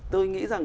tôi nghĩ rằng